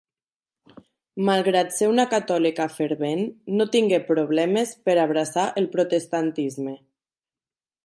Malgrat ser una catòlica fervent no tingué problemes per abraçar el protestantisme.